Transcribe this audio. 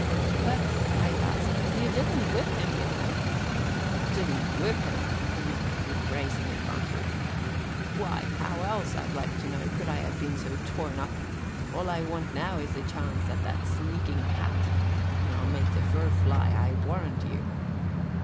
"But," I gasped, "you didn't whip him, you know." "Didn't whip him!" he mimicked with brazen effrontery. "Why, how else, I'd like to know, could I have been torn up so? All I want now is a chance at that sneaking cat, and I'll make the fur fly, I warrant you."